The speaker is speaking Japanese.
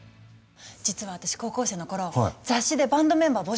実は私高校生の頃雑誌でバンドメンバー募集してたのよ。